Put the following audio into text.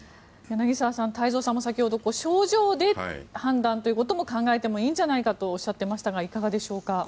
柳澤さん、太蔵さんも先ほど症状で判断ということも考えていいんじゃないかとおっしゃっていましたがいかがでしょうか。